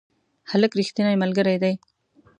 هلک رښتینی ملګری دی.